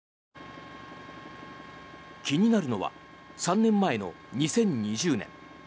気になるのは３年前の２０２０年。